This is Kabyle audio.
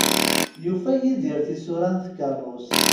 Yufa Yidir tisura n tkerrust.